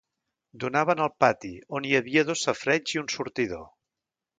Donaven al pati, on hi havia dos safareigs i un sortidor.